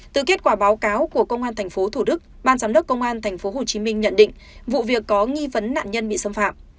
từ kết quả báo cáo của công an tp thủ đức ban giám đốc công an tp hcm nhận định vụ việc có nghi vấn nạn nhân bị xâm phạm